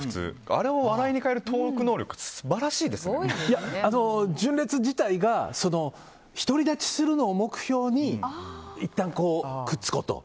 あれを笑いに変えるトーク能力純烈自体が独り立ちするのを目標にいったんくっつこうと。